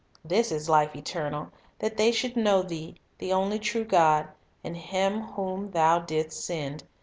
" This is life eternal, that they should know Thee the only true God, and Him whom Thou didst send."